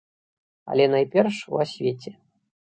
Але найперш у асвеце.